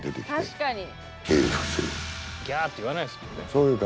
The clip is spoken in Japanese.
確かに。